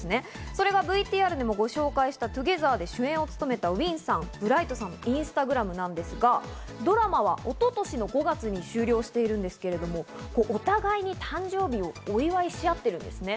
それが、ＶＴＲでもご紹介した『２ｇｅｔｈｅｒ』で主演を務めたウィンさん、ブライトさんのインスタグラムなんですが、ドラマは一昨年５月に終了しているんですが、お互いに誕生日をお祝いし合ってるんですね。